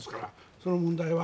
その問題は。